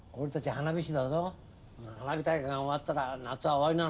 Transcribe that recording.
花火大会が終わったら夏は終わりなの。